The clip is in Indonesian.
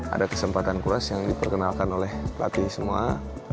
ada kesempatan kelas yang diperkenalkan oleh pelatih semua